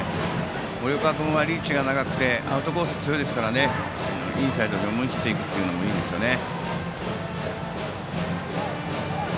森岡君はリーチが長くてアウトコースに強いですからインサイドに思い切っていくのもいいですね。